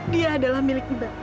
dia adalah milik mbak